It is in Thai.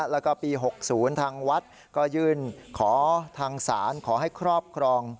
แล้วก็ปี๖๐ทางวัดก็ยื่นขอทางศาลขอให้ครอบครอง